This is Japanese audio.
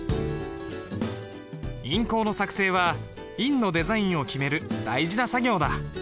印稿の作成は印のデザインを決める大事な作業だ。